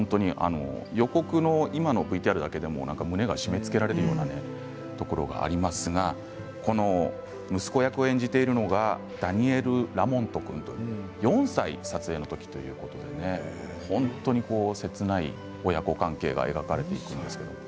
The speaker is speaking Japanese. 予告は今のＶＴＲだけでも胸が締めつけられるようなところがありますがこの息子役を演じているのがダニエル・ラモント君という撮影の時４歳ということで本当に切ない親子関係が描かれています。